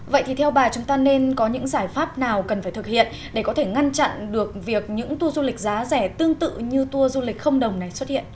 vậy thì theo bà chúng ta nên có những giải pháp nào cần phải thực hiện để có thể ngăn chặn được việc những tour du lịch giá rẻ tương tự như tour du lịch không đồng này xuất hiện